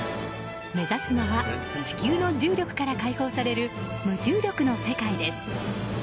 目指すのは地球の重力から解放される無重力の世界です。